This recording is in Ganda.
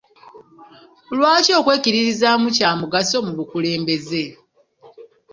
Lwaki okwekkiririzaamu kya mugaso mu bukulembeze?